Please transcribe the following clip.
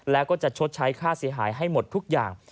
แล้วก็จะชดใช้ค่าเสียหายให้หมดทุกอย่าง